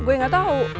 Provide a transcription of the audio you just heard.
gue nggak tau